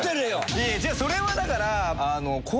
いや違うそれはだから。